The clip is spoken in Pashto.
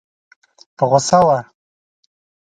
په غوسه وه.